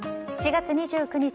７月２９日